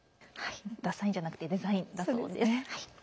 ダサいんじゃなくてデザインだそうです。